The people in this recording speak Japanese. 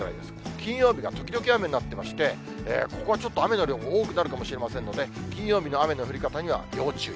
金曜日が時々雨になってまして、ここはちょっと雨の量が多くなるかもしれませんので、金曜日の雨の降り方には要注意。